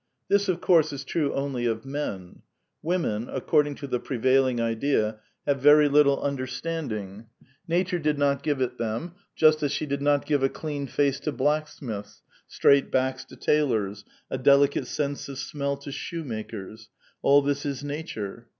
This, of course, is true only of men ; women, according to ( the prevailing idea, have very little understanding. Nature '' did not give it them, just as she did not give a clean face to i blacksmiths, straight backs to tailoi*s, a delicate sense of I { smell to shoemakers ; all this is nature.